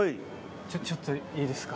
ちょっといいですか？